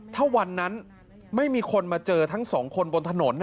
ถ้าวันนั้นไม่มีคนมาเจอทั้งสองคนบนถนน